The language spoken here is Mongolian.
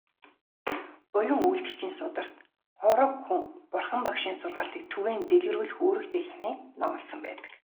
Буян үйлдэгчийн сударт "Хувраг хүн Бурхан багшийн сургаалыг түгээн дэлгэрүүлэх үүрэгтэй" хэмээн номлосон байдаг.